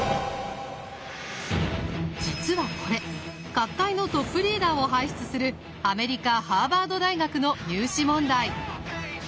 実はこれ各界のトップリーダーを輩出するアメリカ・ハーバード大学の入試問題。